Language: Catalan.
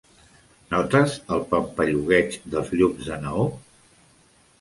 Notes el pampallugueig dels llums de neó?